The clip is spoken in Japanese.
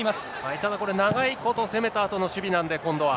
ただこれ、長いこと攻めたあとの守備なんで、今度は。